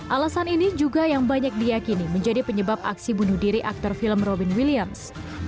alasan ini juga yang banyak diyakini menjadi penyebab aksi bunuh diri aktor film robin williams